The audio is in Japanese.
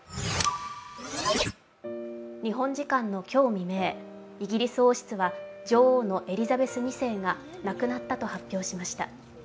日本時間の今日未明、イギリス王室はエリザベス２世である女王が亡くなったと発表しました。